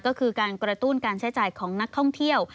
ก็คือการกระตุ้นการใช้จ่ายของนักท่องเที่ยว